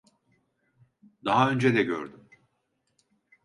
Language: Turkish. Daha önce de gördüm.